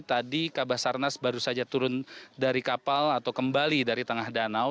tadi kabasarnas baru saja turun dari kapal atau kembali dari tengah danau